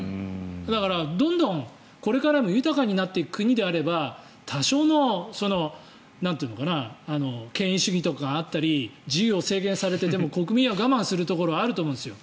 だから、どんどんこれからも豊かになっていく国であれば多少の権威主義とかがあったり自由を制限されていても国民は我慢するところはあると思うんですよ。